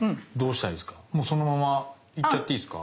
もうそのまま行っちゃっていいですか？